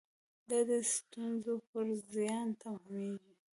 دا د سټیونز پر زیان تمامېږي.